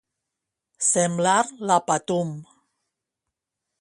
Semblar la patum.